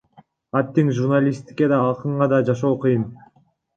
Аттиң, журналистке да, акынга да жашоо кыйын,